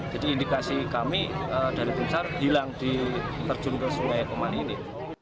jadi indikasi kami dari tumsar hilang di terjun ke sungai pemali ini